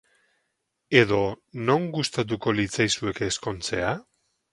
Edo non gustatuko litzaizueke ezkontzea?